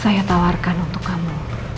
saya tawarkan untuk kamu